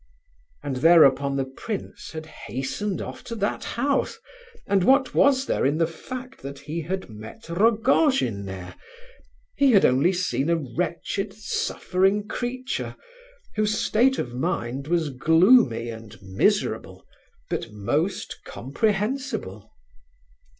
And thereupon the prince had hastened off to that house, and what was there in the fact that he had met Rogojin there? He had only seen a wretched, suffering creature, whose state of mind was gloomy and miserable, but most comprehensible.